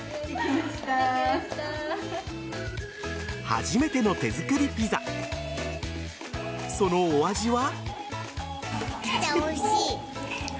初めての手作りピザそのお味は。